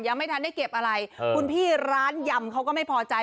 ยังไม่ทันได้เก็บอะไรคุณพี่ร้านยำเขาก็ไม่พอใจ